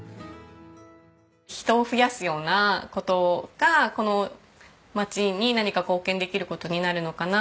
人を増やすような事がこの町に何か貢献できる事になるのかな。